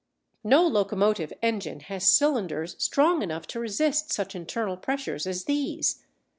No locomotive engine has cylinders strong enough to resist such internal pressures as these.